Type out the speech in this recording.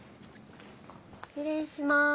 失礼します。